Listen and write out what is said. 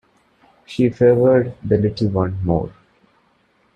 She favoured the little one more.